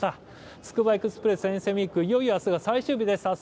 つくばエクスプレス沿線ウイーク、いよいよあすが最終日です。